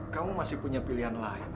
kamu masih punya pilihan lain